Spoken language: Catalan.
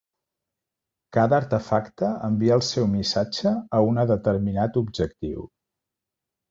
Cada artefacte envia el seu missatge a una determinat objectiu.